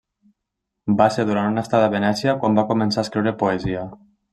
Va ser durant una estada a Venècia quan va començar a escriure poesia.